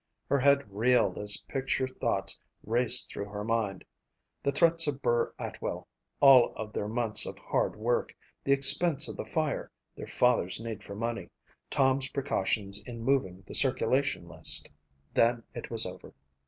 Her head reeled as picture thoughts raced through her mind. The threats of Burr Atwell, all of their months of hard work, the expense of the fire, their father's need for money, Tom's precautions in moving the circulation list. Then it was over.